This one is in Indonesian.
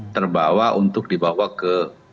terbawa untuk dibawa ke